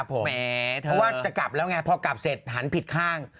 เพราะว่าจะกลับแล้วไงพอกลับเสร็จหันผิดข้าง